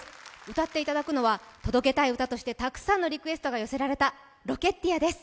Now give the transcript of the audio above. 歌っていただくのは、届けたい歌としてたくさんのリクエストが寄せられた「Ｒｏｃｋｅｔｅｅｒ」です。